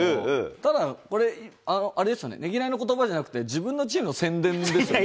ただ、これ、あれですよね、ねぎらいのことばじゃなくて、自分のチームの宣伝ですよね。